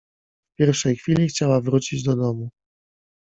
W pierwszej chwili chciała wrócić do domu.